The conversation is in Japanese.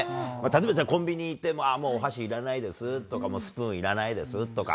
例えば、コンビニ行って、お箸いらないですとか、スプーンいらないですとか。